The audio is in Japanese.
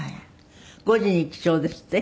５時に起床ですって？